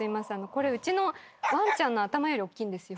これうちのワンちゃんの頭よりおっきいんですよ。